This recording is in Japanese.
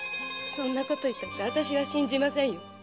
そんなこと言ったってあたしは信じませんよ。